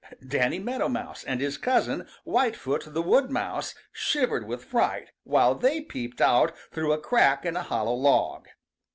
Danny Meadow Mouse and his cousin, Whitefoot the Wood Mouse, shivered with fright, while they peeped out through a crack in a hollow log.